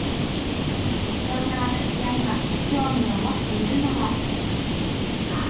そんな私が今興味を持っているのはすごい。